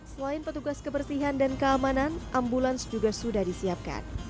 selain petugas kebersihan dan keamanan ambulans juga sudah disiapkan